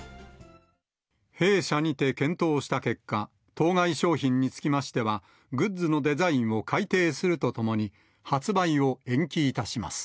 弊社にて検討した結果、当該商品につきましては、グッズのデザインを改訂するとともに、発売を延期いたします。